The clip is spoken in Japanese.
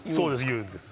言うんです。